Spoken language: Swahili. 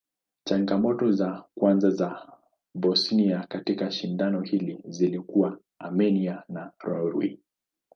Changamoto za kwanza za Bosnia katika shindano hili zilikuwa Armenia na Norway.